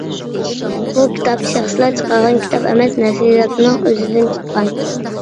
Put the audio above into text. بۇ كىتاب شەخسلەر چىقارغان كىتاب ئەمەس، نەشرىياتنىڭ ئۆزىدىن چىققان.